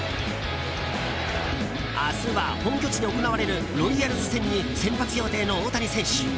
明日は本拠地で行われるロイヤルズ戦に先発予定の大谷選手。